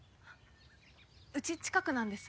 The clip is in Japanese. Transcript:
うち近くなんです。